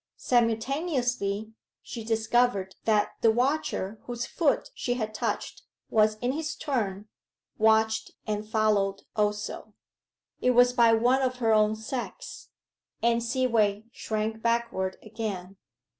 Simultaneously, she discovered that the watcher whose foot she had touched was, in his turn, watched and followed also. It was by one of her own sex. Anne Seaway shrank backward again.